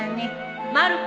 ・まる子。